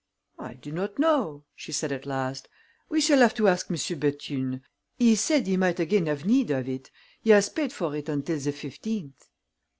"I do not know," she said at last. "We shall have to ask Monsieur Bethune. He said he might again have need of it. He has paid for it until the fifteenth."